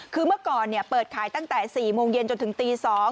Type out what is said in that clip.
คือเมื่อก่อนเนี่ยเปิดขายตั้งแต่สี่โมงเย็นจนถึงตีสอง